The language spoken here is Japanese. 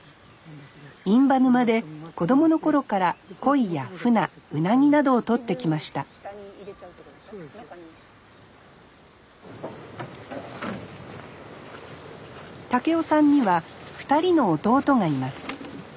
印旛沼で子供の頃からコイやフナウナギなどをとってきました孟夫さんには２人の弟がいます。